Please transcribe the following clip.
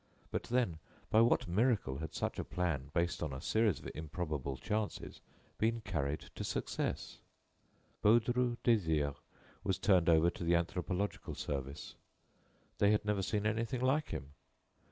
But then, by what miracle had such a plan, based on a series of improbable chances, been carried to success? Baudru Désiré was turned over to the anthropological service; they had never seen anything like him.